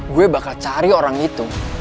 gue bakal cari orang itu